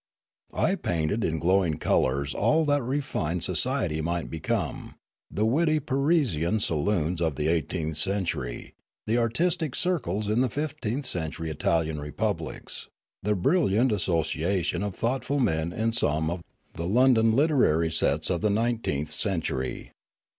I painted in glowing colours all that re fined society might become, — the witty Parisian salons of the eighteenth century, the artistic circles in the fifteenth century Italian republics, the brilliant associa tion of thoughtful men in some of the IyOiidon literary sets of the nineteenth century.